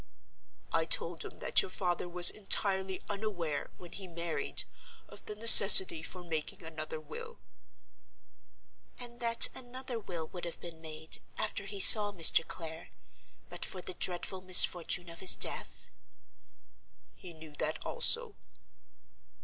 "I told him that your father was entirely unaware, when he married, of the necessity for making another will." "And that another will would have been made, after he saw Mr. Clare, but for the dreadful misfortune of his death?" "He knew that also."